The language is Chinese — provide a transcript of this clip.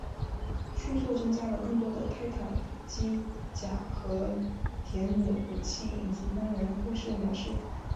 续作增加了更多的泰坦机甲和铁驭武器以及单人故事模式。